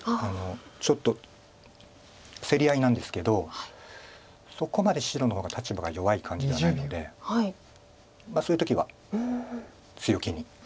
ちょっと競り合いなんですけどそこまで白の方が立場が弱い感じではないのでそういう時は強気に。